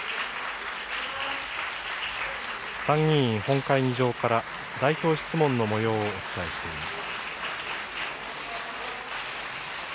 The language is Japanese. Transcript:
参議院本会議場から代表質問のもようをお伝えしています。